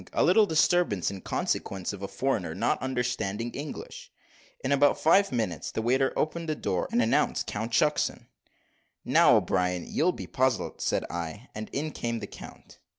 a little disturbance in consequence of a foreigner not understanding English." In about five minutes the waiter opened the door, and announced Count Shucksen. "Now, O'Brien, you'll be puzzled," said I; and in came the count.